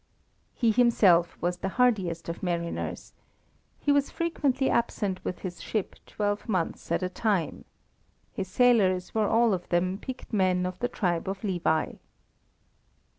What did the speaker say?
He himself was the hardiest of mariners. He was frequently absent with his ship twelve months at a time. His sailors were all of them picked men of the tribe of Levi.